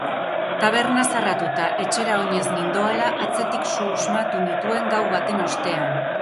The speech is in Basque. Taberna zarratuta etxera oinez nindoala atzetik susmatu nituen gau baten ostean.